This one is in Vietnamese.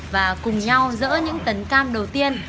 và cùng nhau dỡ những tấn cam đầu tiên